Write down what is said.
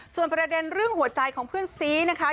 ส่วนประเด็นเรื่องหัวใจของเพื่อนซีนะคะ